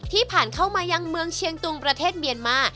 ผ่านเข้ามายังเมืองเชียงตุงประเทศเมียนมา